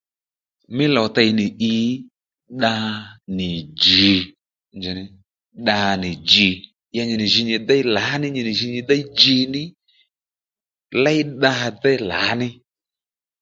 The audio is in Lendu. Mí lò tey nì i dda nì djiy dda nì djiy nyi nì jǐ nyi déy lǎní nyi déy djiy ní léy dda déy lǎní